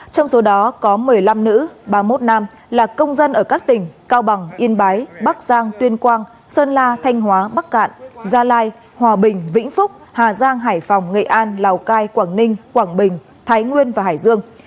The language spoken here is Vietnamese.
trong số đó có một mươi năm nữ ba mươi một nam là công dân ở các tỉnh cao bằng yên bái bắc giang tuyên quang sơn la thanh hóa bắc cạn gia lai hòa bình vĩnh phúc hà giang hải phòng nghệ an lào cai quảng ninh quảng bình thái nguyên và hải dương